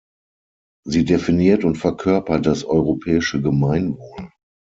Sie definiert und verkörpert das europäische Gemeinwohl.